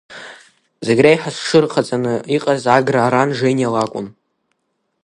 Зегь реиҳа зҽырхаҵаны иҟаз Аграа ран Жениа лакәын.